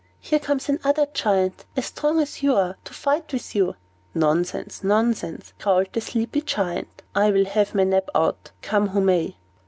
Here comes another Giant, as strong as you are, to fight with you." "Nonsense, nonsense!" growled the sleepy Giant. "I'll have my nap out, come who may."